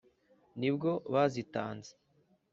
ni bwo bazitanze,